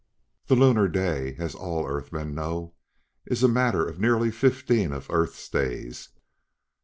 The lunar day, as all Earth men know, is a matter of nearly fifteen of Earth's days.